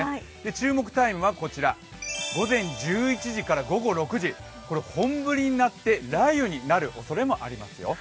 注目タイムは午前１１時から午後６時本降りになって雷雨になるおそれもありますよ。